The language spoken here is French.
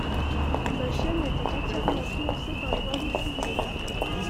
La chaîne était entièrement financée par la publicité.